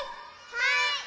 はい！